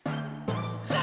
さあ